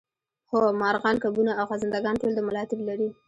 هو مارغان کبونه او خزنده ګان ټول د ملا تیر لري